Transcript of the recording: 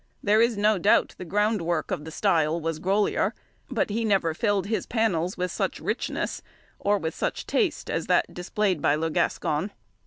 There is no doubt the ground work of the style was Grolier, but he never filled his panels with such richness or with such taste as that displayed by Le Gascon.